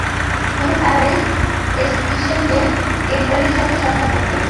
তিনি প্রায়ই এসকিশেহিরে এদিবালির সাথে সাক্ষাত করতেন।